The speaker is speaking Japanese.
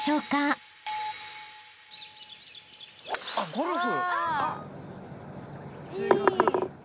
ゴルフ！